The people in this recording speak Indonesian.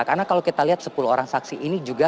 karena kalau kita lihat sepuluh orang saksi ini juga